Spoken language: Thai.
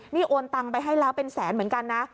นี่โอนตังไปให้แล้วเป็นแสนเหมือนกันนะ